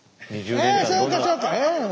ああそうかそうか！